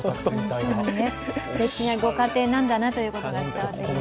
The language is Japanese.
すてきなご家庭なんだなっていうのが伝わってきますね。